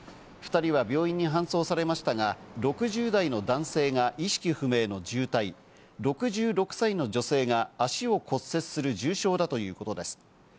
２人は病院に搬送されましたが、６０代の男性が意識不明の重体、６６歳の女性が足を骨折する重傷だということです。